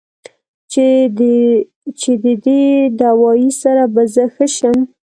چې د دې دوائي سره به زۀ ښۀ شم